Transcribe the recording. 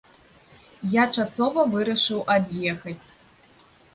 Я часова вырашыў ад'ехаць.